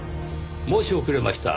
申し遅れました。